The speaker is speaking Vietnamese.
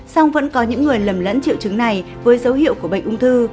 song vẫn có những người lầm lẫn triệu chứng này với dấu hiệu của bệnh ung thư